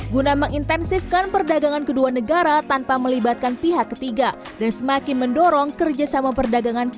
guna mengintensifkan perdagangan kedua negara tanpa melibatkan pihak ketiga dan semakin mendorong kerjasama perdagangan